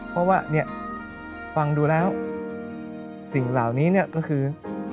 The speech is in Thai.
เพราะว่าเนี่ยฟังดูแล้วสิ่งเหล่านี้เนี่ยก็คือ